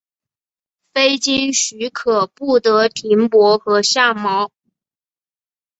非经许可不得停泊和下锚。